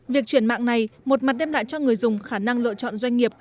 việc chuyển mạng này một mặt đem lại cho người dùng khả năng lựa chọn doanh nghiệp